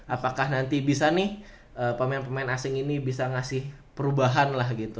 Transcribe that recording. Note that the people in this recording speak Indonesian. apakah nanti bisa nih pemain pemain asing ini bisa ngasih perubahan lah gitu